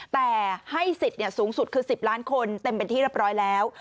แต่ให้สิทธิ์สูงสุดคือ๑๐ล้านคนเต็มเป็นที่เรียบร้อยแล้ว